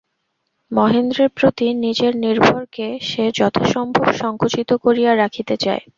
মহেন্দ্রের প্রতি নিজের নির্ভরকে সে যথাসম্ভব সংকুচিত করিয়া রাখিতে চায়।